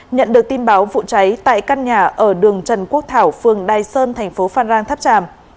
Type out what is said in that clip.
nhận được tin báo vụ cháy tại căn nhà ở đường trần quốc thảo phường đài sơn thành phố phan rang tháp tràm